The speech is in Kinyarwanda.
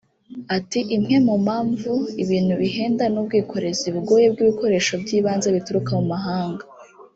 Ati “Imwe mu mpamvu ibintu bihenda ni ubwikorezi bugoye bw’ibikoresho by’ibanze bituruka mu mahanga